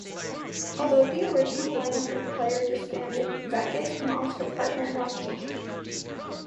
Although the original lineup of Player disbanded, Beckett and Moss have partnered on occasion.